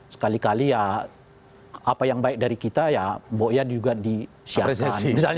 sekali kali ya apa yang baik dari kita ya mbok ya juga disiapkan